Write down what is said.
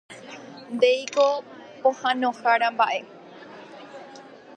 Ndéiko pohãnohára mbaʼe.